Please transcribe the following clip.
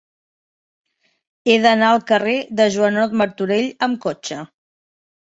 He d'anar al carrer de Joanot Martorell amb cotxe.